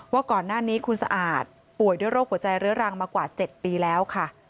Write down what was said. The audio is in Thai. ว่าก่อนหน้านี้คุณสะอาดป่วยด้วยโรคหัวใจเรื้อรังมากว่า๗ปีแล้วค่ะ